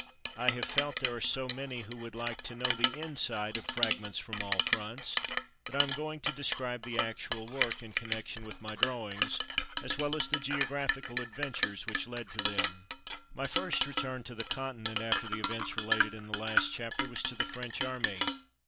I have felt there are so many who would like to know the " inside '' of Fragments from all Fronts that I am going to describe the actual work in connection 150 Off to French Front 151 with my drawings, as well as the geographi cal adventures which led to them. My first return to the Continent after the events related in the last chapter was to the French Army.